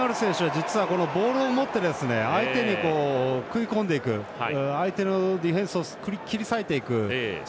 実はボールを持って相手に食い込んでいく相手のディフェンスを切り裂いていく力